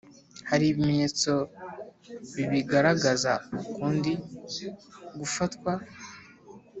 hari ibimenyetso bibigaragaza ukundi gufatwa